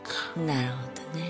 なるほどね。